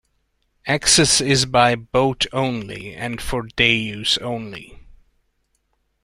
Access is by boat only and for day–use only.